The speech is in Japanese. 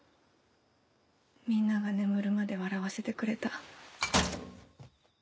みんなが眠るまで笑わせてくれた。